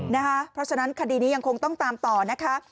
เพราะฉะนั้นคดีนี้ยังคงต้องตามต่อนะคะ